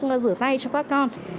rửa tay cho các con